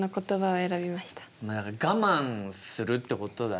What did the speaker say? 我慢をするってことだね。